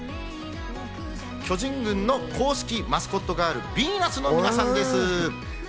巨人軍の公式マスコットガール・ヴィーナスの皆さんです。